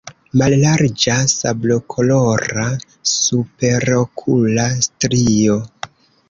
Mallarĝa sablokolora superokula strio.